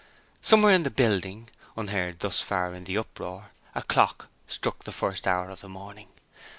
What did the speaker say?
Somewhere in the building (unheard thus far in the uproar) a clock struck the first hour of the morning.